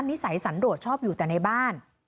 นิสัยสันโดดชอบอยู่แต่ในบ้าน